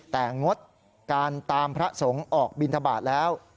แต่งดการตามพระสงฆ์ออกบินทบาทแล้ว